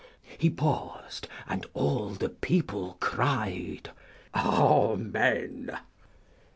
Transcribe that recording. — He paused, and all the people cried, Amen.